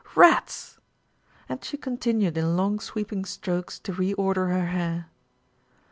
"Rats!" And she continued in long sweeping strokes to re order her hair.